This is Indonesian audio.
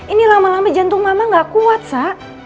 ini lama lama jantung mama gak kuat sa